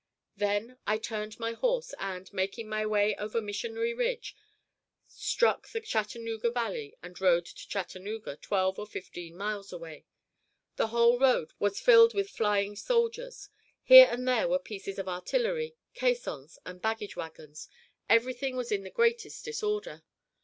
Then I turned my horse, and, making my way over Missionary Ridge, struck the Chattanooga Valley and rode to Chattanooga, twelve or fifteen miles away. The whole road was filled with flying soldiers; here and there were pieces of artillery, caissons, and baggage wagons. Everything was in the greatest disorder.